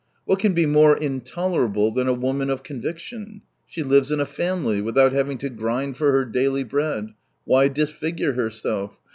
What can be more intolerable than a woman of conviction. She lives in a family, without having to grind for her daily bread — why disfigure herself